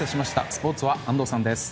スポーツは安藤さんです。